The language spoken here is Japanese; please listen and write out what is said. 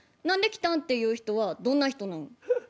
何で来たん？っていう人はどんな人なん？